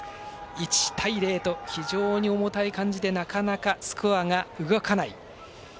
１対０と非常に重たい感じでなかなかスコアが動かない。